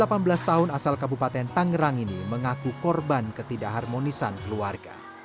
delapan belas tahun asal kabupaten tangerang ini mengaku korban ketidakharmonisan keluarga